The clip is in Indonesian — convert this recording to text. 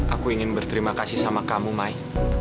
aku ingin berterima kasih sama kamu mai